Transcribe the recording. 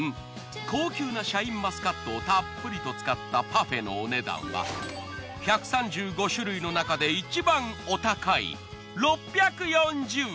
高級なシャインマスカットをたっぷりと使ったパフェのお値段は１３５種類のなかでいちばんお高い。